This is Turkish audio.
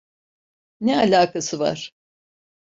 Ne alakası var?